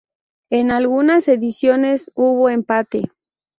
En algunas ediciones hubo empate.